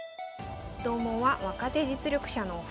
同門は若手実力者のお二人。